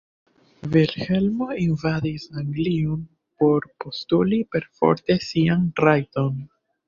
Vilhelmo invadis Anglion por postuli perforte sian "rajton".